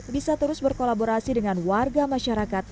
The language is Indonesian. bisa terus berkolaborasi dengan warga masyarakat